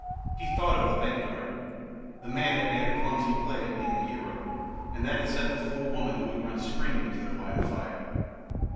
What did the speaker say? He thought of the bank guard. The man had made a clumsy play at being a hero, and that had set off the fool woman who'd run screaming into their line of fire.